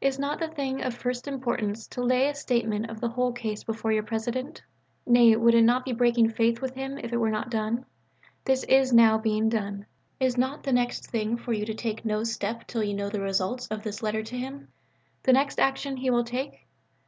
Is not the thing of first importance to lay a statement of the whole case before your President? Nay, would it not be breaking faith with him if it were not done? This is now being done. Is not the next thing for you to take no step till you know the results of this letter to him the next action he will take?